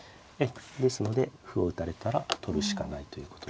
ですので歩を打たれたら取るしかないということで。